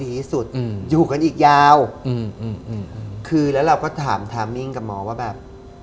อยู่กันอีกยาวคือแล้วเราก็ถามมิ้งกับหมอว่าแบบ